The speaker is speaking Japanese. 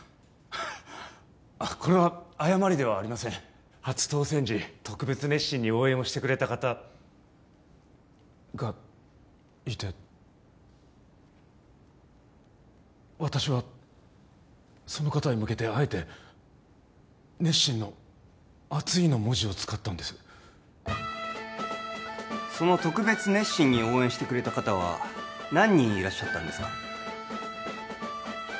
あっこれは誤りではありません初当選時特別熱心に応援をしてくれた方がいて私はその方に向けてあえて「熱心」の「熱い」の文字を使ったんですその特別熱心に応援してくれた方は何人いらっしゃったんですか？